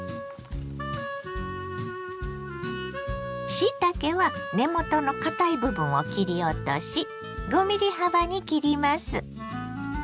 しいたけは根元の堅い部分を切り落とし５ｍｍ幅に切ります。